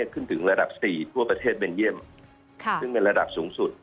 ขึ้นถึงระดับ๔ทั่วประเทศเบนเยี่ยมซึ่งเป็นระดับสูงสุด